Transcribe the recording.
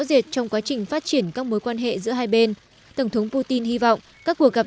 rệt trong quá trình phát triển các mối quan hệ giữa hai bên tổng thống putin hy vọng các cuộc gặp